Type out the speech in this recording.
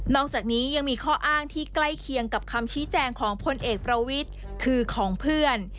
อกจากนี้ยังมีข้ออ้างที่ใกล้เคียงกับคำชี้แจงของพลเอกประวิทย์คือของเพื่อน